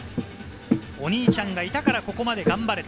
お兄ちゃんがいたからここまで頑張れた。